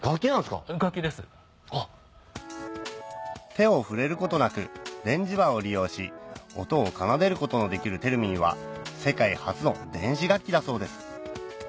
手を触れることなく電磁場を利用し音を奏でることのできるテルミンは世界初の電子楽器だそうです